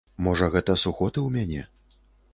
Можа гэта сухоты ў мяне?